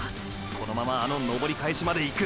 このままあの登り返しまでいく！